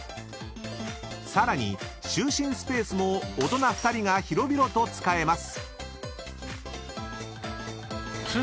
［さらに就寝スペースも大人２人が広々と使えます］